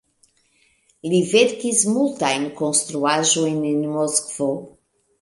Li verkis multajn konstruaĵojn en Moskvo.